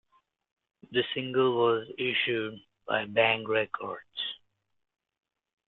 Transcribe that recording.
The single was issued by Bang Records.